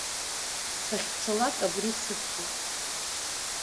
Сахьцалак абри сыцуп.